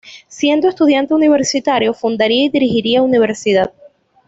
Siendo estudiante universitario fundaría y dirigiría "Universidad".